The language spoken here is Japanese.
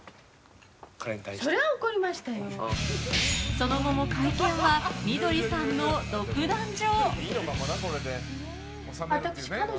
その後も会見は美どりさんの独壇場。